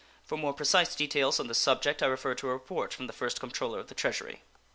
For more precise details on this subject I refer to a report from the first Comptroller of the Treasury.